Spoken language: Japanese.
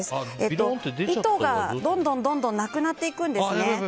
糸がどんどんなくなっていくんですね。